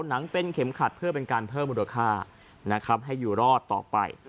หนังเป็นเข็มขัดเพื่อเป็นการเพิ่มมูลค่านะครับให้อยู่รอดต่อไป